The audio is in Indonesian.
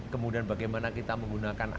kemudian bagaimana kita menggunakan